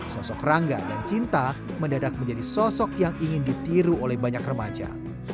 sosok rangga dan cinta mendadak menjadi sosok yang ingin ditiru oleh banyak remaja